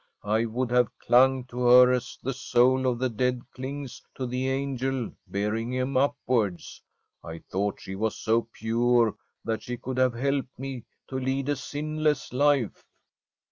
I would have clung to her as the soul of the dead clings to the angel bearing him upwards. I thought she was so pure that she could have helped me to lead a sinless life.'